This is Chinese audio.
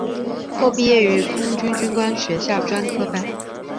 后毕业于空军军官学校专科班。